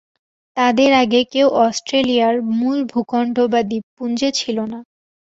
তাদের আগে কেউ অস্ট্রেলিয়ার মূল ভূখণ্ড বা দীপপুঞ্জে ছিলোনা।